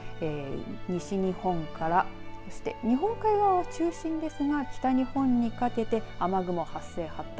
西日本から日本海側を中心ですが北日本にかけて雨雲、発生発達。